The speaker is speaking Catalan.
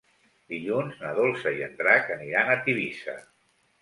Dilluns na Dolça i en Drac aniran a Tivissa.